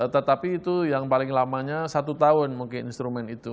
tetapi itu yang paling lamanya satu tahun mungkin instrumen itu